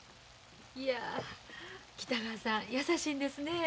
いや北川さん優しいんですねえ。